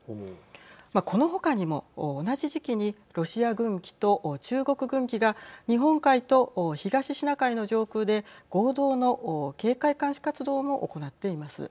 まあ、この他にも同じ時期にロシア軍機と中国軍機が日本海と東シナ海の上空で合同の警戒監視活動も行っています。